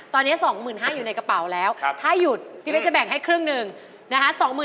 ตอนนี้๒๕๐๐อยู่ในกระเป๋าแล้วถ้าหยุดพี่เพชรจะแบ่งให้ครึ่งหนึ่งนะคะ